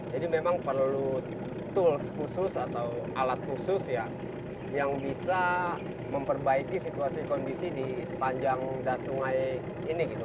jadi memang perlu tools khusus atau alat khusus ya yang bisa memperbaiki situasi kondisi di sepanjang das sungai ini gitu kan